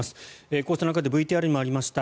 こうした中でＶＴＲにもありました